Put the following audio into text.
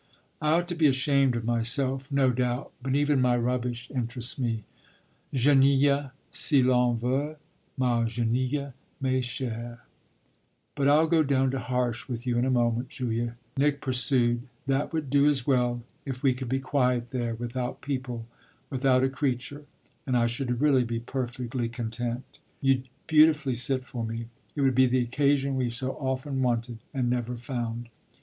I ought to be ashamed of myself, no doubt; but even my rubbish interests me. 'Guenille si l'on veut, ma guenille m'est chère.' But I'll go down to Harsh with you in a moment, Julia," Nick pursued: "that would do as well if we could be quiet there, without people, without a creature; and I should really be perfectly content. You'd beautifully sit for me; it would be the occasion we've so often wanted and never found."